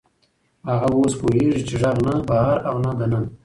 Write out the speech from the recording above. هغه اوس پوهېږي چې غږ نه بهر و او نه دننه.